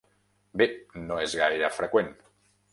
Bé, no és gaire freqüent.